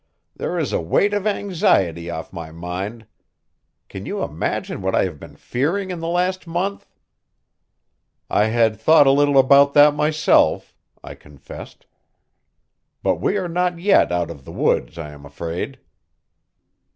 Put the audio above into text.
"There is a weight of anxiety off my mind. Can you imagine what I have been fearing in the last month?" "I had thought a little about that myself," I confessed. "But we are not yet out of the woods, I am afraid."